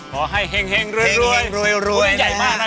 ขอให้แห่งรวยนะ